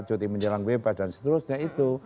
cuti menjelang bebas dan seterusnya itu